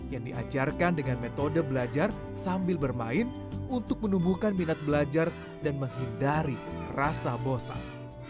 yang diajarkan dengan metode belajar sambil bermain untuk menumbuhkan minat belajar dan menghindari rasa bosan